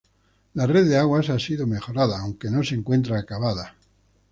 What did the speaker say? La red de aguas ha sido mejorada, aunque no se encuentra acabada.